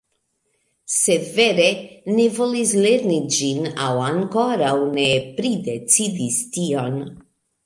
Sed vere ne volis lerni ĝin aŭ ankoraŭ ne pridecidis tion